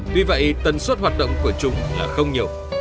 tuy vậy tần suất hoạt động của chúng là không nhiều